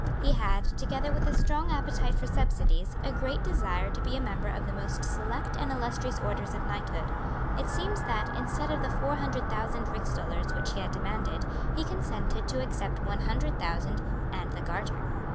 He had, together with a strong appetite for subsidies, a great desire to be a member of the most select and illustrious orders of knighthood. It seems that, instead of the four hundred thousand rixdollars which he had demanded, he consented to accept one hundred thousand and the Garter.